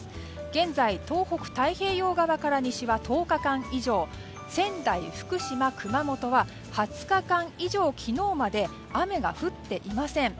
現在、東北、太平洋側から西は１０日間以上仙台、福島、熊本は２０日間以上昨日まで雨が降っていません。